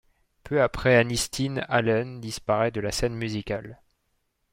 Peu après Annisteen Allen disparaît de la scène musicale.